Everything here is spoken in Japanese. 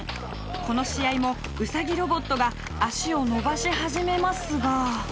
この試合もウサギロボットが脚をのばし始めますが。